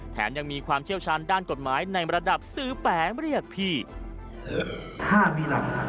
แถนยังมีความเชี่ยวชาญด้านกฎหมายในระดับสือแปลงเรียกผี